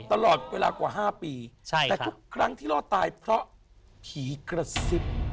ตลอดเวลากว่า๕ปีแต่ทุกครั้งที่รอดตายเพราะผีกระซิบ